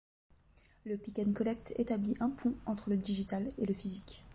Le Click & Collect établi un pont entre le digital et le physique.